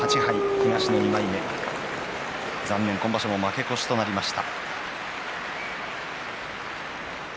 東の２枚目残念、今場所も負け越しとなりました。